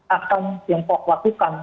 akan tiongkok lakukan